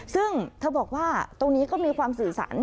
ซึ่งเธอบอกว่าตรงนี้ก็มีความสื่อสาร